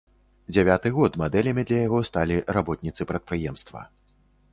Дзявяты год мадэлямі для яго сталі работніцы прадпрыемства.